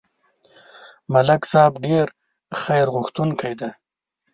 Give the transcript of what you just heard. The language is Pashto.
ملک صاحب ډېر خیرغوښتونکی دی.